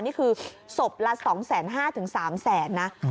นี่คือศพละ๒๕๐๐๓แสนนะ